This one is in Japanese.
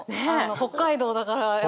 北海道だから。